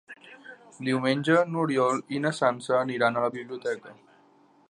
Diumenge n'Oriol i na Sança aniran a la biblioteca.